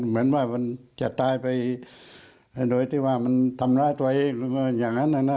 เหมือนว่าจะตายไปโดยที่ว่ามันทำลายตัวเองอย่างนั้น